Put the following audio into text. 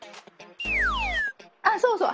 あっそうそう。